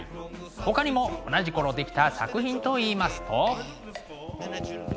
ほかにも同じ頃出来た作品といいますと。